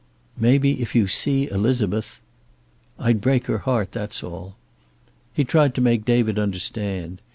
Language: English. "Maybe, if you see Elizabeth " "I'd break her heart, that's all." He tried to make David understand.